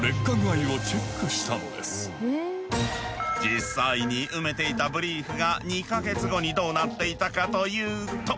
実際に埋めていたブリーフが２か月後にどうなっていたかというと。